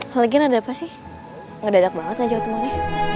hal lagi ada apa sih ngedadak banget aja temennya